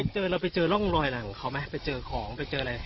เจอเราไปเจอร่องรอยอะไรของเขาไหมไปเจอของไปเจออะไร